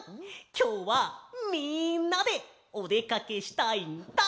きょうはみんなでおでかけしたいんだ！